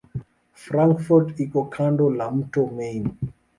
Frankfurt iko kando la mto Main.